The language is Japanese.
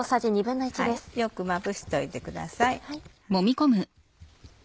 よくまぶしておいてください。